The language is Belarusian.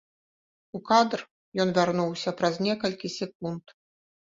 У кадр ён вярнуўся праз некалькі секунд.